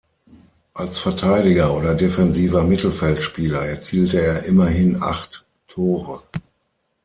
Als Verteidiger oder defensiver Mittelfeldspieler erzielte er immerhin acht Tore.